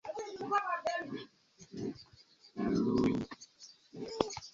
La Valeto havas mediteranean klimaton kun varmegaj, sekaj someroj kaj mildaj, malsekaj vintroj.